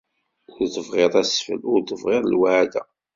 Ur tebɣiḍ asfel, ur tebɣiḍ lweɛda.